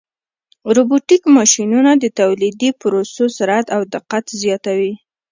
روبوټیک ماشینونه د تولیدي پروسو سرعت او دقت زیاتوي.